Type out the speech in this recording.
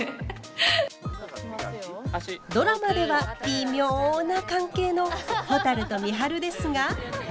ドラマではビミョな関係のほたると美晴ですが。